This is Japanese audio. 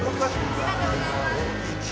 ありがとうございます。